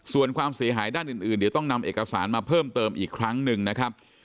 ส่วนความเสียหายด้านอื่นเดี๋ยวต้องนำเอกสารมาเพิ่มเติมอีกครั้งหนึ่งนะครับ